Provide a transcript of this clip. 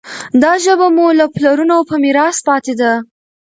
دا ژبه مو له پلرونو په میراث پاتې ده.